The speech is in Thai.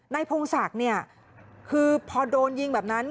พงศักดิ์เนี่ยคือพอโดนยิงแบบนั้น